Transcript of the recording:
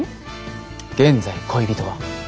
現在恋人は？